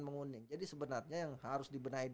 menguning jadi sebenarnya yang harus di benahi